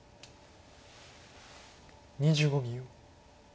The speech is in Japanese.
２５秒。